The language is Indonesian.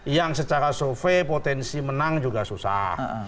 yang secara survei potensi menang juga susah